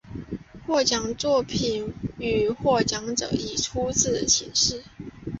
获奖作品与获奖者以粗体字显示。